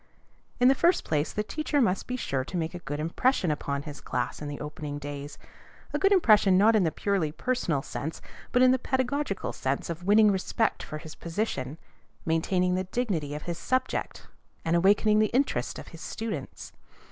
In the first place the teacher must be sure to make a good impression upon his class in the opening days, a good impression not in the purely personal sense, but in the pedagogical sense of winning respect for his position, maintaining the dignity of his subject, and awakening the interest of his students.